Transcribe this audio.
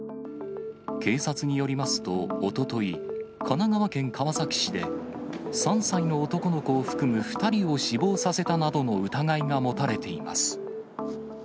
警察によりますと、おととい、神奈川県川崎市で３歳の男の子を含む２人を死亡させたなどの疑いが持たれています。